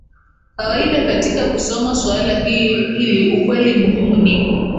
kawaida katika kusoma suala hili Ukweli muhimu ni